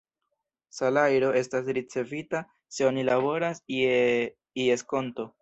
Salajro estas ricevita se oni laboras je ies konto.